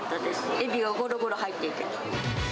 エビがごろごろ入っていて。